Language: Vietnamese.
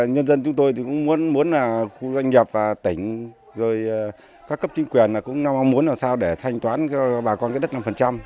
nhân dân chúng tôi cũng muốn khu doanh nghiệp và tỉnh các cấp chính quyền cũng mong muốn làm sao để thanh toán cho bà con đất năm